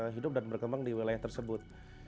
hidup dan berkembang di wilayah tersebut